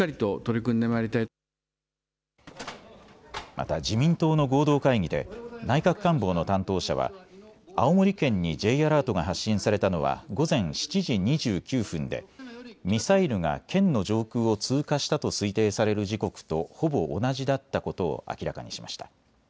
また自民党の合同会議で内閣官房の担当者は青森県にＪアラートが発信されたのは午前７時２９分でミサイルが県の上空を通過したと推定される時刻とほぼ同じだったことを明らかにしました。